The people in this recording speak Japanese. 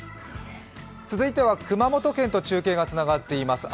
続いては熊本県と中継がつながっています。